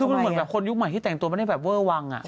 คือมันเหมือนแบบคนยุคใหม่ที่แต่งตัวไม่ได้แบบเวอร์วัง